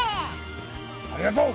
ありがとう！